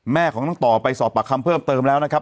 แม่ของน้องต่อไปสอบปากคำเพิ่มเติมแล้วนะครับ